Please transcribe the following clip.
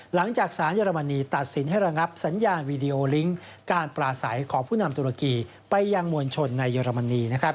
หลังจากสารเยอรมนีตัดสินให้ระงับสัญญาณวีดีโอลิงก์การปลาใสของผู้นำตุรกีไปยังมวลชนในเยอรมนี